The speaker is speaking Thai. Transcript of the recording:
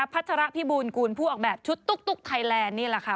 พระพิบูรกูลผู้ออกแบบชุดตุ๊กไทยแลนด์นี่แหละค่ะ